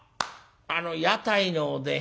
あの屋台のおでん。